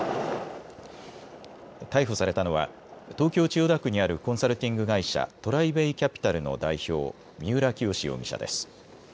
逮捕されたのは東京千代田区にあるコンサルティング会社、ＴＲＩＢＡＹＣＡＰＩＴＡＬの代表、三浦清志容疑者です。